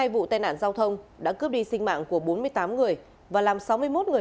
hai vụ tai nạn giao thông đã cướp đi sinh mạng của bốn mươi tám người và làm sáu mươi một người